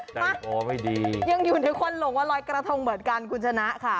ยังอยู่ในควันหลงวันรอยกระทงเหมือนกันคุณชนะค่ะ